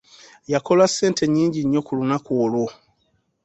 Yakola ssente nyingi nnyo ku lunaku olwo!